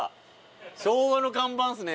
昭和の看板っすね